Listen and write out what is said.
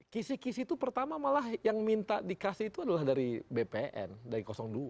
kisi kisi itu pertama malah yang minta dikasih itu adalah dari bpn dari dua